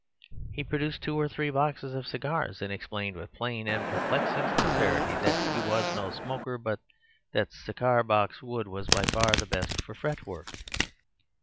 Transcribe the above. He produced two or three boxes of cigars, and explained with plain and perplexing sincerity that he was no smoker, but that cigar box wood was by far the best for fretwork.